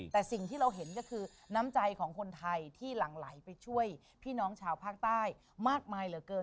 แต่สิ่งที่เราเห็นก็คือน้ำใจของคนไทยที่หลั่งไหลไปช่วยพี่น้องชาวภาคใต้มากมายเหลือเกิน